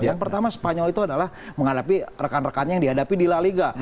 yang pertama spanyol itu adalah menghadapi rekan rekannya yang dihadapi di la liga